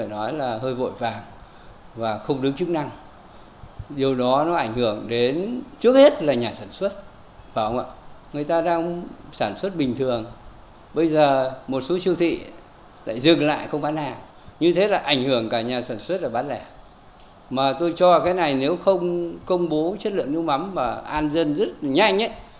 mà tôi cho cái này nếu không công bố chất lượng nước mắm và an dân rất là nhanh